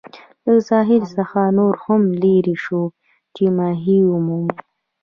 له ساحل څخه نور هم لیري شوو چې ماهي ومومو.